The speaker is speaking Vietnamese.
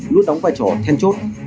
luôn đóng vai trò then chốt